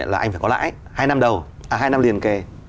là anh phải có lãi hai năm đầu hai năm liền kề